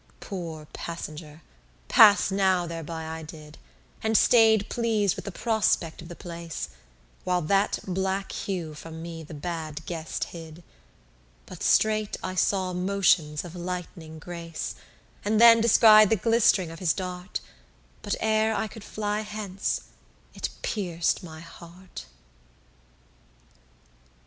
Poor passenger, pass now thereby I did, And stayed pleas'd with the prospect of the place, While that black hue from me the bad guest hid: But straight I saw motions of lightning grace, And then descried the glist'ring of his dart: But ere I could fly hence, it pierc'd my heart.